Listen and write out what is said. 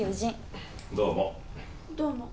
どうも。